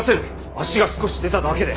足が少し出ただけで。